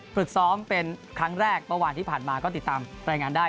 ฝึกซ้อมเป็นครั้งแรกเมื่อวานที่ผ่านมาก็ติดตามรายงานได้